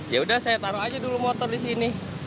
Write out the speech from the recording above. yaudah saya taruh aja dulu motor disini